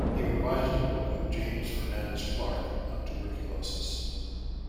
He revised a book of James Fernandez Clarke on tuberculosis.